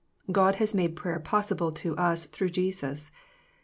God has made prayer possible to us through Jesus.